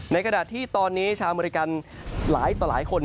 ขณะที่ตอนนี้ชาวอเมริกันหลายต่อหลายคน